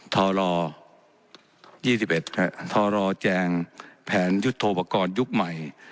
ทอลอยี่สิบเอ็ดฮะทอลอแจงแผนยุทโทประกอบยุคใหม่